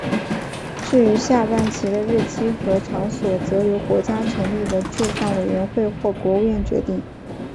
至于下半旗的日期和场所则由国家成立的治丧委员会或国务院决定。